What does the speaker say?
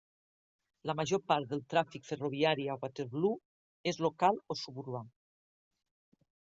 La major part del tràfic ferroviari a Waterloo és local o suburbà.